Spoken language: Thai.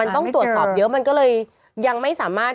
ต้องตรวจสอบเยอะมันก็เลยยังไม่สามารถ